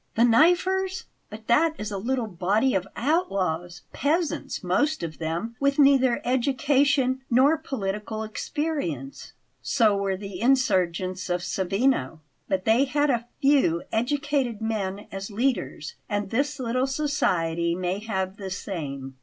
"The 'Knifers'! But that is a little body of outlaws peasants, most of them, with neither education nor political experience." "So were the insurgents of Savigno; but they had a few educated men as leaders, and this little society may have the same.